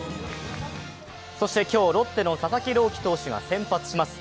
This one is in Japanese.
そして今日、ロッテの佐々木朗希投手が先発します。